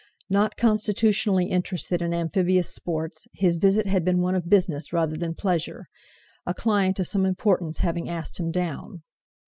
Not constitutionally interested in amphibious sports, his visit had been one of business rather than pleasure, a client of some importance having asked him down.